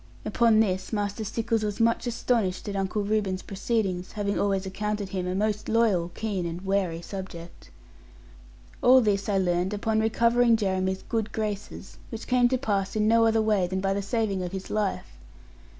Upon this Master Stickles was much astonished at Uncle Reuben's proceedings, having always accounted him a most loyal, keen, and wary subject. All this I learned upon recovering Jeremy's good graces, which came to pass in no other way than by the saving of his life.